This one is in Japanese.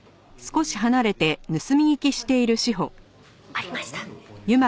ありました。